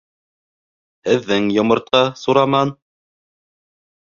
— Һеҙҙең йомортҡа, Сураман!